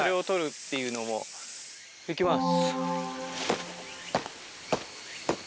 いきます。